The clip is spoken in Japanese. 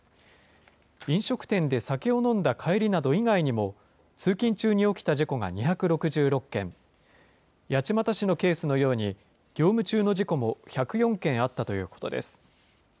飲食店で酒を飲んだ帰りなど以外にも、通勤中に起きた事故が２６６件、八街市のケースのように業務中の事故も１０４件あったということです。